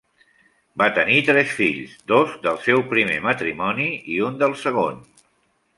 Va tenir tres fills, dos del seu primer matrimoni i un del segon.